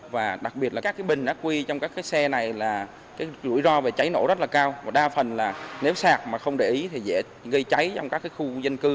và đặc biệt là các cái bình đã quy trong các xe này là cái rủi ro về cháy nổ rất là cao và đa phần là nếu sạc mà không để ý thì dễ gây cháy trong các khu dân cư